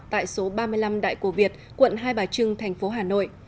tại số ba mươi năm đại cổ việt quận hai bà trưng thành phố hà nội